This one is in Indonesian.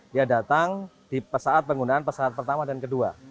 dia datang di saat penggunaan saat pertama dan kedua